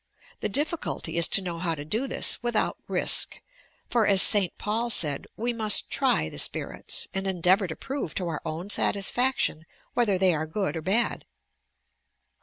The difficulty is to know how to do this without risk, for, as St. Paul said, we must "try the spirits" and endeavour to prove to our own satisfaction whether they are good or bad.